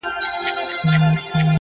زما څه عبادت په عادت واوښتی,